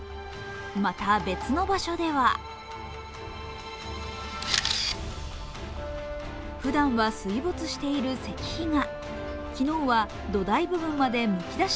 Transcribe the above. また別の場所ではふだんは水没している石碑が。